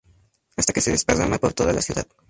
hasta que se desparrama por toda la ciudad